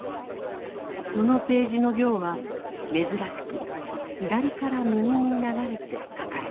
そのページの行は珍しく左から右に流れて書かれています。